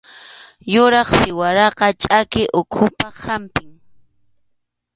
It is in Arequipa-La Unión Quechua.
Yuraq siraraqa chʼaki uhupaq hampim